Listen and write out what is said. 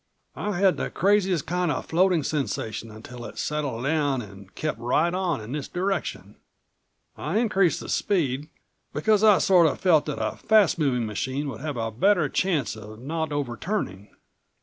I had the craziest kind of floating sensation until it settled down and kept right on in this direction. I increased the speed, because I sort of felt that a fast moving machine would have a better chance of not overturning."